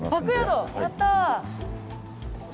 やった。